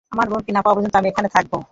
আমার বোনকে না পাওয়া পর্যন্ত আমি এখানে থাকব।